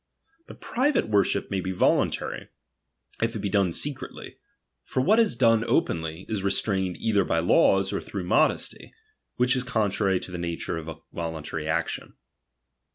But pr/rfl/c worship RELIGION. 213 maybe voluntary, if it be done secretly ; for what is chap, xf done openly, is restrained either by laws or through ''~ modesty ; which is contrary to the nature of a voluntary action.